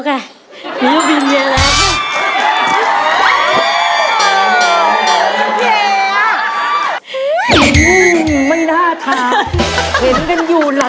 คนแชร์ไม่ใช่คนแชรา